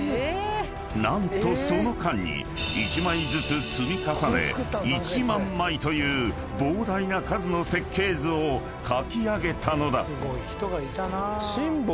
［何とその間に１枚ずつ積み重ね１万枚という膨大な数の設計図を描き上げたのだ］